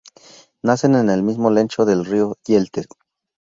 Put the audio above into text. Nacen en el mismo lecho del Río Yeltes.